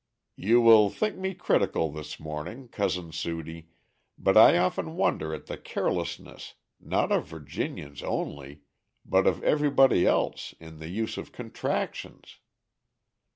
"You will think me critical this morning, Cousin Sudie, but I often wonder at the carelessness, not of Virginians only, but of everybody else, in the use of contractions.